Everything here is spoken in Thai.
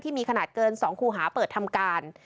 มีขนาดเกิน๒คูหาเปิดทำการ